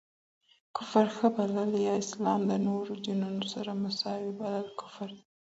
کفر ښه بلل، يا اسلام د نورو دينونو سره مساوي بلل کفر دی.